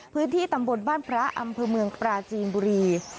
พื้นที่ตำบลบ้านพระอำเภอเมืองปราจีนบุรี